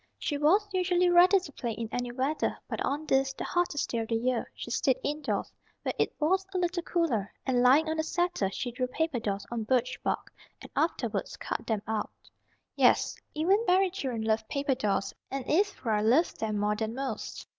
She was usually ready to play in any weather; but on this, the hottest day of the year, she stayed indoors, where it was a little cooler, and lying on the settle she drew paper dolls on birch bark, and afterwards cut them out. Yes, even fairy children love paper dolls and Ivra loved them more than most.